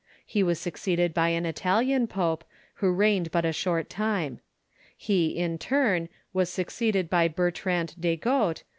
He was succeeded by an Italian pope, who reigned but a short time. „,. .u He, in turn, was succeeded by Bertrand de Got, Removal of the ''^.